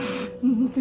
dilihat kamu sudah kan